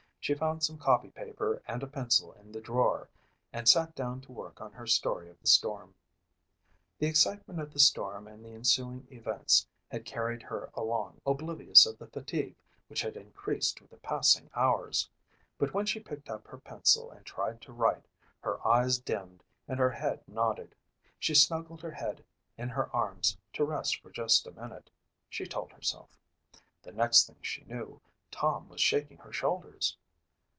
She found some copypaper and a pencil in the drawer and sat down to work on her story of the storm. The excitement of the storm and the ensuing events had carried her along, oblivious of the fatigue which had increased with the passing hours. But when she picked up her pencil and tried to write, her eyes dimmed and her head nodded. She snuggled her head in her arms to rest for just a minute, she told herself. The next thing she knew Tom was shaking her shoulders.